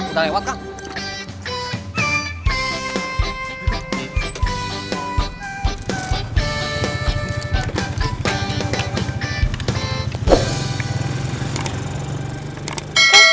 i terima kasih